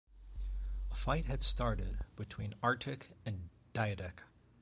A fight had started between Artich and Diedek.